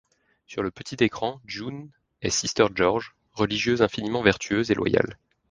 Sur le petit écran, June est Sister George, religieuse infiniment vertueuse et loyale.